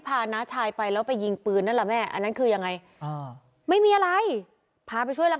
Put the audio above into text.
ฟามที่รีบหรือฟามที่อะไรยังไงก็ไม่รู้มันเกิดถอยหลัง